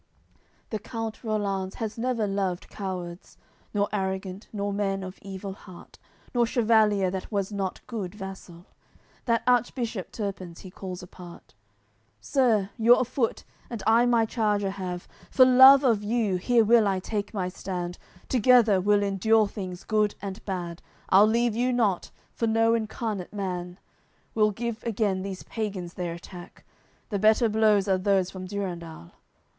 CLIX The count Rollanz has never loved cowards, Nor arrogant, nor men of evil heart, Nor chevalier that was not good vassal. That Archbishop, Turpins, he calls apart: "Sir, you're afoot, and I my charger have; For love of you, here will I take my stand, Together we'll endure things good and bad; I'll leave you not, for no incarnate man: We'll give again these pagans their attack; The better blows are those from Durendal."